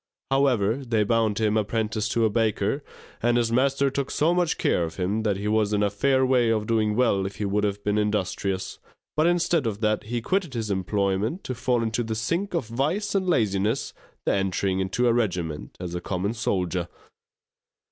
However, they bound him apprentice to a baker, and his master took so much care of him that he was in a fair way of doing well if he would have been industrious; but instead of that he quitted his employment to fall into that sink of vice and laziness, the entering into a regiment as a common soldier.